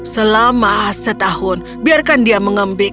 selama setahun biarkan dia mengembik